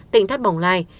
tỉnh thất bồng lai